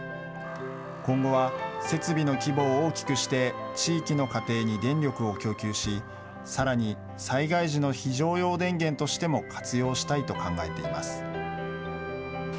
今後は設備の規模を大きくして、地域の家庭に電力を供給し、さらに災害時の非常用電源としても活用したいと考えています。